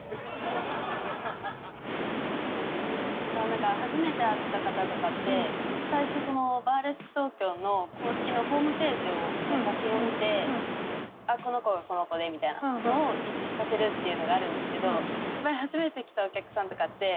なんか初めて会った方とかって最初バーレスク東京の公式のホームページの写真を見てあっこの子がこの子でみたいなのを一致させるっていうのがあるんですけどやっぱり初めて来たお客さんとかって